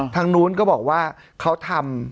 ทางนู้นก็บอกว่าเขาทำ